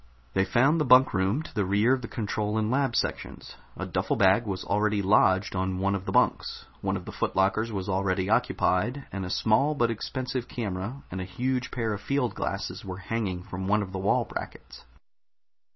They found the bunk room to the rear of the control and lab sections. A duffel bag was already lodged on one of the bunks; one of the foot lockers was already occupied, and a small but expensive camera and a huge pair of field glasses were hanging from one of the wall brackets.